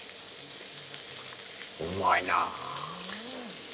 うまいな。